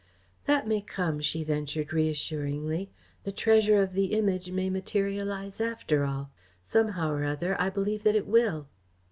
"That may come," she ventured reassuringly. "The treasure of the Image may materialise after all. Somehow or other, I believe that it will."